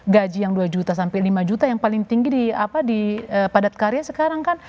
gaji yang dua juta sampai lima juta yang paling tinggi di padat karya sekarang kan